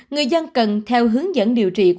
người dân cần theo hướng dẫn điều trị của bác